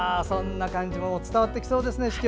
そんな感じも伝わってきそうですね。